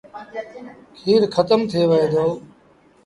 کير کتم ٿئي وهي دو۔